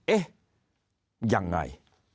เอ๊ะยังไง